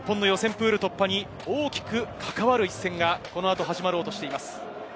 プール突破に大きく関わる一戦がこのあと始まろうとしています。